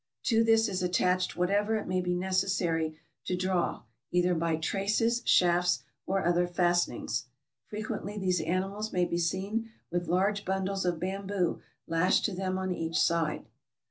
To this is attached whatever it may be necessary to draw, either by traces, shafts, or other fastenings. Frequently these animals may be seen with large bundles of bamboo lashed to them on each side.